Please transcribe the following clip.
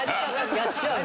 やっちゃうの？